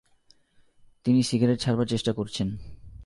তিনি সিগারেট ছাড়বার চেষ্টা করছেন।